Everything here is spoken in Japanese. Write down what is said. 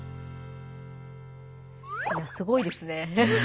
いやすごいですね。